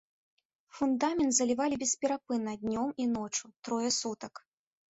Фундамент залівалі бесперапынна, днём і ноччу, трое сутак.